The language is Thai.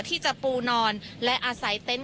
ที่จะปูนอนและอาศัยเต็นต์